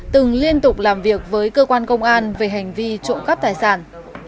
đã làm việc với cơ quan công an về hành vi trộm cắp tài sản